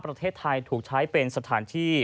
ประเทศไทยถูกใช้เป็นสถานที่